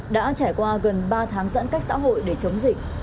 đã trải qua gần ba tháng giãn cách xã hội để chống dịch